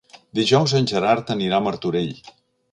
Dijous en Gerard anirà a Martorell.